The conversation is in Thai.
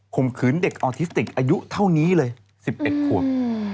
มขืนเด็กออทิสติกอายุเท่านี้เลย๑๑ขวบ